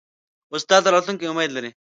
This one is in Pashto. استاد د راتلونکي امید لري.